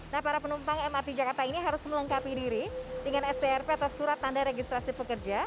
nah para penumpang mrt jakarta ini harus melengkapi diri dengan strp atau surat tanda registrasi pekerja